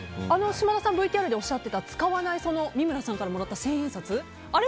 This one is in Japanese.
島田さんがＶＴＲでおっしゃってた使わない三村さんからもらった千円札